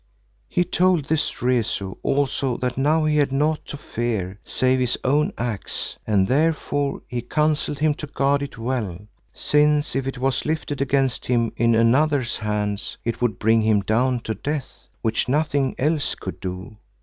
He told this Rezu also that now he had naught to fear save his own axe and therefore he counselled him to guard it well, since if it was lifted against him in another's hands it would bring him down to death, which nothing else could do.